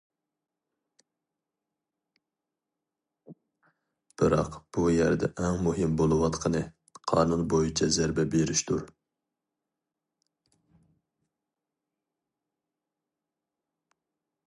بىراق بۇ يەردە ئەڭ مۇھىم بولۇۋاتقىنى قانۇن بويىچە زەربە بېرىشتۇر.